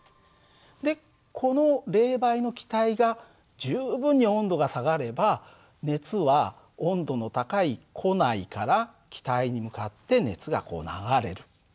でこの冷媒の気体が十分に温度が下がれば熱は温度の高い庫内から気体に向かって熱が流れる。